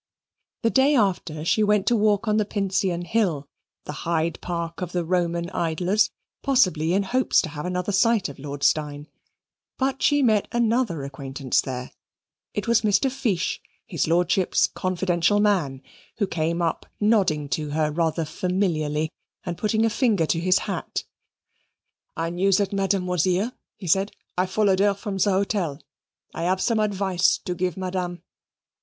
The day after she went to walk on the Pincian Hill the Hyde Park of the Roman idlers possibly in hopes to have another sight of Lord Steyne. But she met another acquaintance there: it was Mr. Fiche, his lordship's confidential man, who came up nodding to her rather familiarly and putting a finger to his hat. "I knew that Madame was here," he said; "I followed her from her hotel. I have some advice to give Madame."